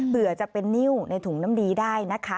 เผื่อจะเป็นนิ้วในถุงน้ำดีได้นะคะ